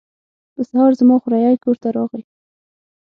په سهار زما خوریی کور ته راغی.